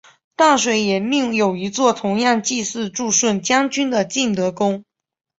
淡水也另有一座同样祭祀助顺将军的晋德宫。